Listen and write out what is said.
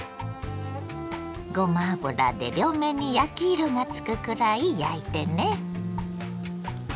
ごま油で両面に焼き色がつくくらい焼いてね。